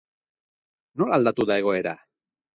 Nola aldatu da egoera?